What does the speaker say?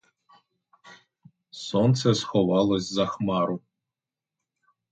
Сонце сховалось за хмару.